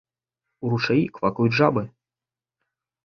У ручаі квакаюць жабы.